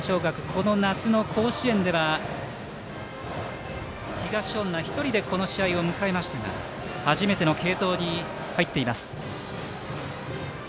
この夏の甲子園では東恩納１人でこの試合を迎えましたが初めての継投に入っています。